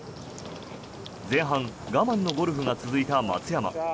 前半我慢のゴルフが続いた松山。